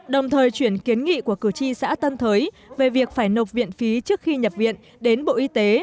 đồng thời chuyển kiến nghị của cử tri xã tân thới về việc phải nộp viện phí trước khi nhập viện đến bộ y tế